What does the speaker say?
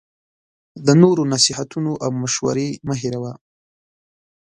د نورو نصیحتونه او مشوری مه هیروه